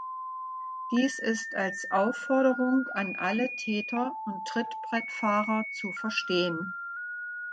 Dies ist als Aufforderung an alle Täter und Trittbrettfahrer zu verstehen.